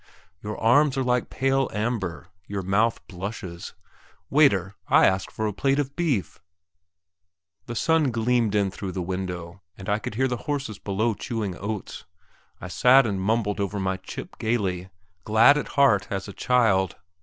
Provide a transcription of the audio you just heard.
Your arms are like pale amber, your mouth blushes.... Waiter I asked for a plate of beef!" The sun gleamed in through the window, and I could hear the horses below chewing oats. I sat and mumbled over my chip gaily, glad at heart as a child.